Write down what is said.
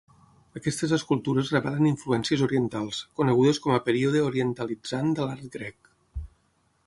Aquestes escultures revelen influències orientals, conegudes com a període orientalitzant de l'art grec.